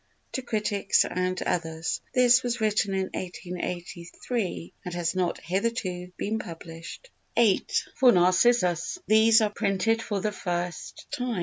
To Critics and Others. This was written in 1883 and has not hitherto been published. viii. For Narcissus These are printed for the first time.